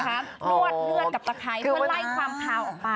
นวดเลือดกับตะไคร้เพื่อไล่ความคาวออกไป